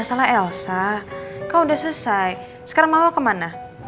sekarang mama kemana